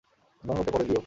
ধন্যবাদটা পরেই দিও।